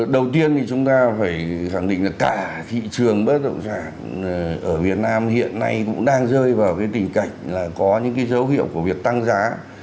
đầu tiên thì chúng ta phải khẳng định là cả thị trường bất động sản ở việt nam hiện nay cũng đang rơi vào cái tình cảnh là có những cái dấu hiệu của việc tăng giá